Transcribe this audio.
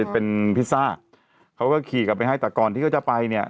เป็นพิซซ่าเขาก็ขี่กลับไปให้แต่ก่อนที่เขาจะไปเนี่ย